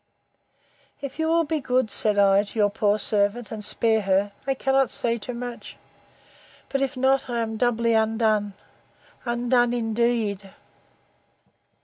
If you will be good, said I, to your poor servant, and spare her, I cannot say too much! But if not, I am doubly undone!—Undone indeed!